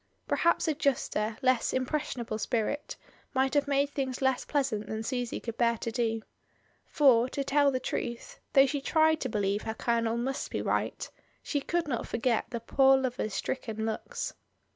Perhaps a juster, less impressionable spirit might have made things less pleasant than Susy could bear to do. For, to tell the truth, though she tried to believe her colonel must be right, she could not forget the poor lover's stricken looks.